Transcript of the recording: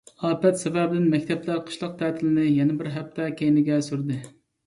ئاپەت سەۋەبىدىن مەكتەپلەر قىشلىق تەتىلنى يەنە بىر ھەپتە كەينىگە سۈردى.